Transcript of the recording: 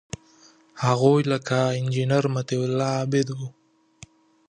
هغوی لکه انجینیر مطیع الله عابد وو.